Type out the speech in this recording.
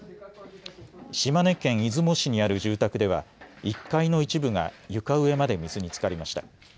島根県市にある住宅では１階の一部が床上まで水につかりました。